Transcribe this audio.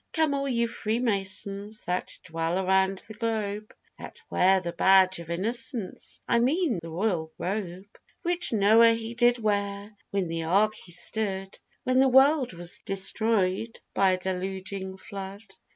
] COME all you freemasons that dwell around the globe, That wear the badge of innocence, I mean the royal robe, Which Noah he did wear when in the ark he stood, When the world was destroyed by a deluging flood.